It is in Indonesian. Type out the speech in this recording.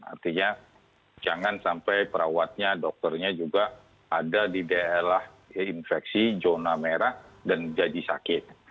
artinya jangan sampai perawatnya dokternya juga ada di daerah infeksi zona merah dan jadi sakit